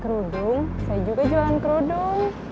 kerudung saya juga jualan kerudung